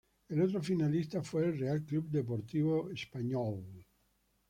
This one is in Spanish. El otro finalista fue el Real Club Deportivo Español.